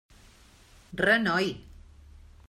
Renoi!